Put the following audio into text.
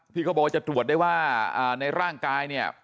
เขาบอกว่าจะตรวจได้ว่าในร่างกายเนี่ย